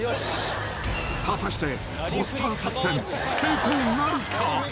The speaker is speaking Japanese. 果たして、ポスター作戦、成功なるか。